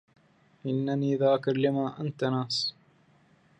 إنني ذاكر لما أنت ناس